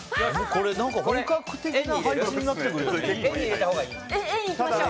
本格的な配置になってくるね。